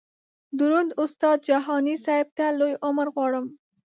دروند استاد جهاني صیب ته لوی عمر غواړم.